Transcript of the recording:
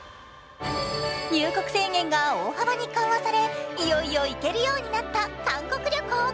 入国制限が大幅に緩和されいよいよ行けるようになった韓国旅行。